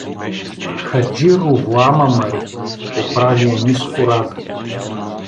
— Хаджи Ровоама мари — поправи я ниско Рада.